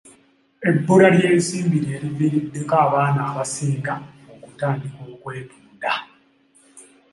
Ebbula ly'ensimbi lye liviiriddeko abaana abasinga okutandika okwetunda.